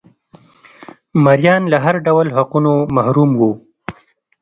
مریان له هر ډول حقونو محروم وو